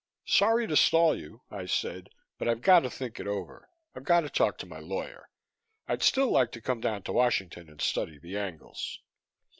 "Sorry to stall you," I said, "but I've got to think it over. I've got to talk to my lawyer. I'd still like to come down to Washington and study the angles."